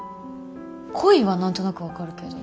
恋は何となく分かるけど。